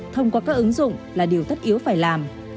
thông qua các ứng dụng là điều tất yếu phải làm